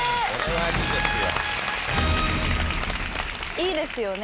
いいですよね。